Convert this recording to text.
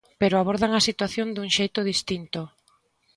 Pero abordan a situación dun xeito distinto.